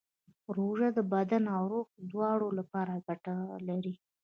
روژه د بدن او روح دواړو لپاره ګټه لري.